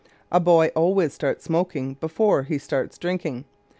A boy always starts smoking before he starts drinking.